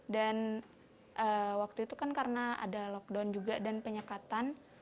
dan waktu itu kan karena ada lockdown juga dan penyekatan